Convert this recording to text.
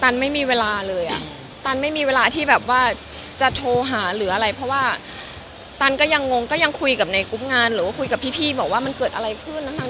ไม่มีเวลาเลยอ่ะตันไม่มีเวลาที่แบบว่าจะโทรหาหรืออะไรเพราะว่าตันก็ยังงงก็ยังคุยกับในกรุ๊ปงานหรือว่าคุยกับพี่บอกว่ามันเกิดอะไรขึ้นแล้วนาง